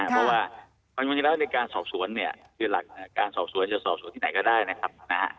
เพราะว่าความจริงแล้วในการสอบสวนเนี่ยคือหลักการสอบสวนจะสอบสวนที่ไหนก็ได้นะครับ